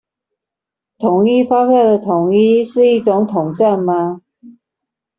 統一發票的統一，是一種統戰嗎？